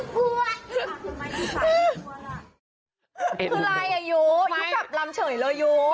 คืออะไรอะยูยูจับลำเฉยเลยยู